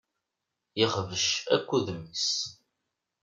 Yexbec akk udem-is.